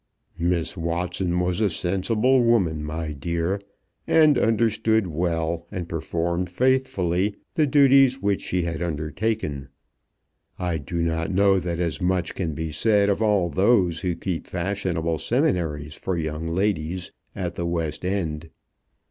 "Miss Watson was a sensible woman, my dear, and understood well, and performed faithfully, the duties which she had undertaken. I do not know that as much can be said of all those who keep fashionable seminaries for young ladies at the West End."